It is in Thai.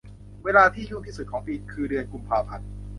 เวลาที่ยุ่งที่สุดของปีคือเดือนกุมภาพันธ์